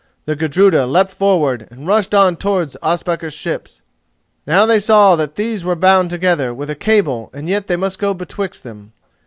The Gudruda leapt forward and rushed on towards Ospakar's ships. Now they saw that these were bound together with a cable and yet they must go betwixt them.